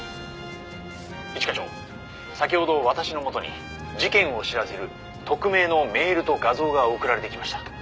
「一課長先ほど私の元に事件を知らせる匿名のメールと画像が送られてきました」